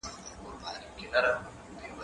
ميوې د زهشوم له خوا خورل کيږي،